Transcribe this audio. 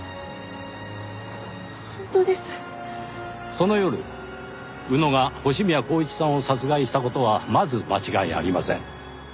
その夜宇野が星宮光一さんを殺害した事はまず間違いありません。